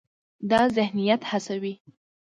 دا ذهنیت هڅوي،